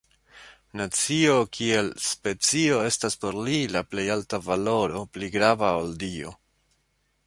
Nacio kiel specio estas por li la plej alta valoro, pli grava ol Dio.